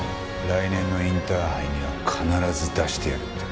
来年のインターハイには必ず出してやるって。